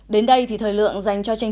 đến đây thì thời lượng dành cho tranh truyền